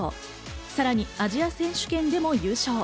さらにアジア選手権でも優勝。